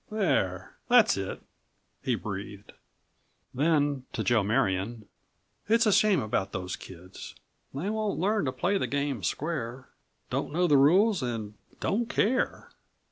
"There! That's it!" he breathed. Then to Joe Marion, "It's a shame about those kids. They won't learn to play the game square. Don't know the rules and don't care.